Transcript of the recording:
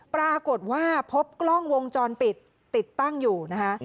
ปรากฏว่าพบกล้องวงจรปิดติดตั้งอยู่นะคะ